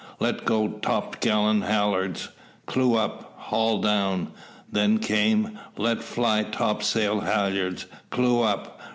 "Let go topgallant halyards. Clew up, haul down." Then came, "Let fly topsail halyards. Clew up.